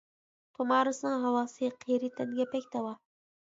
تۇمارىسنىڭ ھاۋاسى، قېرى تەنگە بەك داۋا.